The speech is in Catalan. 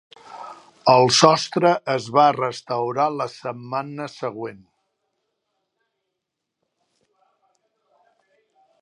El sostre es va restaurar la setmana següent.